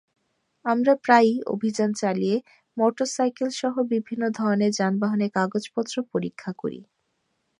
আমরা প্রায়ই অভিযান চালিয়ে মোটরসাইকেলসহ বিভিন্ন ধরনের যানবাহনের কাগজপত্র পরীক্ষা করি।